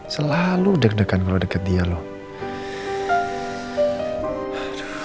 selalu deg degan kalau dekat dia loh